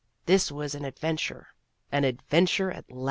This was an advent ure an adventure at last